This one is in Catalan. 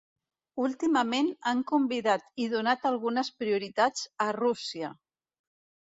Últimament han convidat i donat algunes prioritats a Rússia.